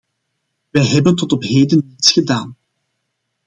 Wij hebben tot op heden niets gedaan.